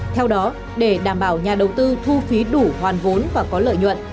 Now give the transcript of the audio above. theo đó để đảm bảo nhà đầu tư thu phí đủ hoàn vốn và có lợi nhuận